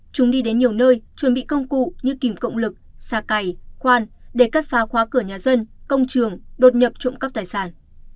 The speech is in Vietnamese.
chúng đi đến nhiều nơi chuẩn bị công cụ như kìm cộng lực xa cày khoan để cắt phá khóa cửa nhà dân công trường đột nhập trộm cắp tài sản